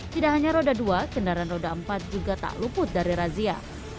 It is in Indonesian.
tidak hanya roda dua kendaraan roda empat juga tak luput dari razia